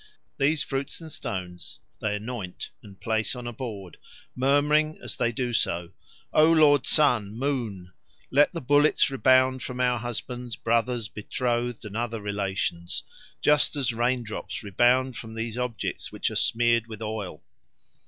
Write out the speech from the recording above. These fruits and stones they anoint and place on a board, murmuring as they do so, "O lord sun, moon, let the bullets rebound from our husbands, brothers, betrothed, and other relations, just as raindrops rebound from these objects which are smeared with oil."